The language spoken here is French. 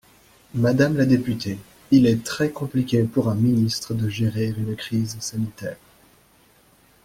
Madame la députée, il est très compliqué pour un ministre de gérer une crise sanitaire.